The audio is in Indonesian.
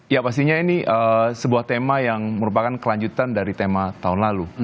ya pastinya ini sebuah tema yang merupakan kelanjutan dari tema tahun lalu